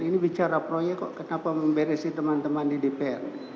ini bicara proyek kok kenapa memberesin teman teman di dpr